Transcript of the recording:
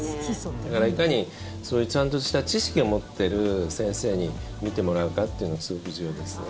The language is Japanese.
だから、いかにそういうちゃんとした知識を持っている先生に診てもらうかっていうのがすごく重要ですね。